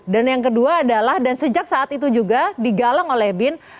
dan yang kedua adalah dan sejak saat itu juga digalang oleh bin